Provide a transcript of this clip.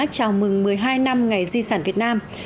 chào mừng một mươi hai năm ngày di sản việt nam